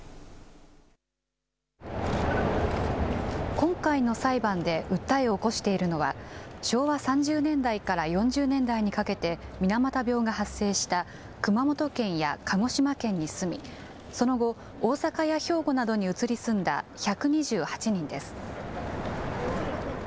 今回の裁判で訴えを起こしているのは、昭和３０年代から４０年代にかけて、水俣病が発生した熊本県や鹿児島県に住み、その後、大阪や兵庫などに移り住んだ１２８人です。